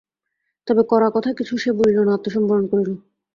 তবে কড়া কথা কিছু সে বলিল না, আত্মসম্বরণ করিল।